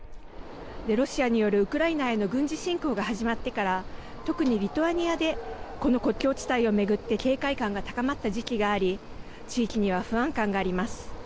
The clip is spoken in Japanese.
ロシアによるウクライナへの軍事侵攻が始まってから特にリトアニアでこの国境地帯を巡って警戒感が高まった時期があり地域には不安感があります。